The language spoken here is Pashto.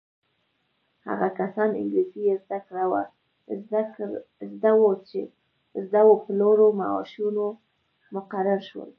هغه کسان انګلیسي یې زده وه په لوړو معاشونو مقرر شول.